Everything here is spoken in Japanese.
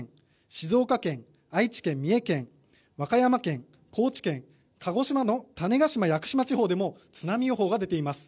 静岡県、愛知県、三重県和歌山県、高知県鹿児島の種子島・屋久島地方でも津波予報が出ています。